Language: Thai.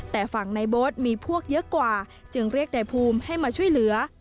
แต่ฝั่งในโบ๊ทมีพวกเยอะกว่าจึงเรียกนายภูมิให้มาช่วยเหลือ